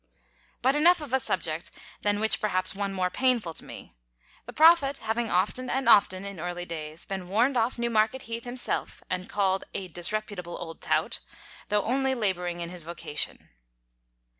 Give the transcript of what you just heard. But enough of a subject than which perhaps one more painful to me; the Prophet having often and often, in early days, been warned off Newmarket Heath himself, and called a "disreputable old tout," though only labouring in his vocation.